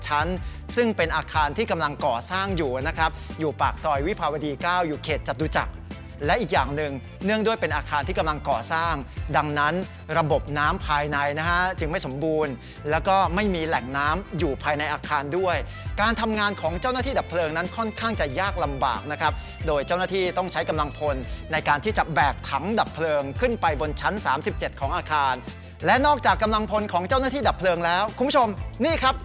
๗ชั้นซึ่งเป็นอาคารที่กำลังก่อสร้างอยู่นะครับอยู่ปากซอยวิภาวดี๙อยู่เขตจัดดูจักรและอีกอย่างหนึ่งเนื่องด้วยเป็นอาคารที่กำลังก่อสร้างดังนั้นระบบน้ำภายในนะฮะจึงไม่สมบูรณ์แล้วก็ไม่มีแหล่งน้ำอยู่ภายในอาคารด้วยการทำงานของเจ้าหน้าที่ดับเพลิงนั้นค่อนข้างจะยากลำบากนะครับโดยเจ้าหน้าที่